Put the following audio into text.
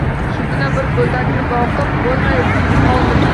— Shugina bir... go‘dakni boqib bo‘lmay qoldimi?